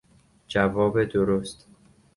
جواب درست